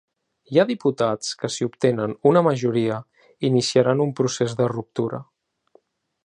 Hi ha diputats que si obtenen una majoria iniciaran un procés de ruptura.